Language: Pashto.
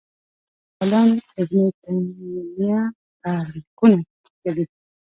بل لوی عالم ابن تیمیه تعلیقونه کښلي